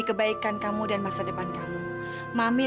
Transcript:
nggak nggak gue udah pusing